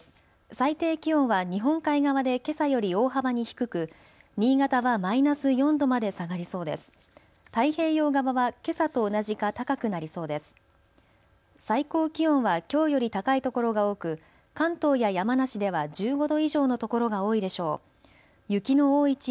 最低気温は日本海側でけさより大幅に低く新潟はマイナス４度まで下がりそうです。